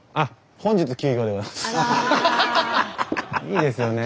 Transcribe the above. いいですよね。